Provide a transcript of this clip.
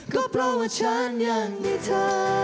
ก็เพราะว่าฉันอยากมีเธอ